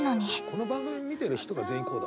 この番組見てる人が全員こう。